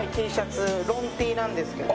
ロンＴなんですけど。